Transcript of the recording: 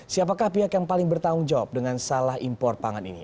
siapakah pihak yang paling bertanggung jawab dengan salah impor pangan ini